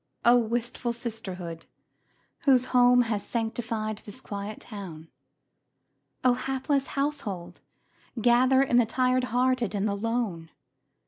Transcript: Oh, wistful sisterhood, whose home Has sanctified this quiet town! Oh, hapless household, gather in The tired hearted and the lone!